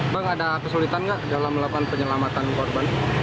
bang ada kesulitan nggak dalam melakukan penyelamatan korban